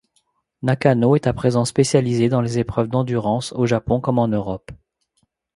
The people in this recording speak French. Nakano est à présent spécialisé dans les épreuves d'Endurance, au Japon comme en Europe.